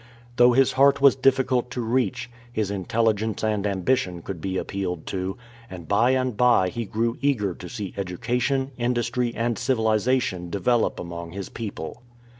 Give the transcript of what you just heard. Though his heart was difficult to reach, his intelligence and ambition could be appealed to, and by and by he grew eager to see education, industry, and civili zation develop among his people.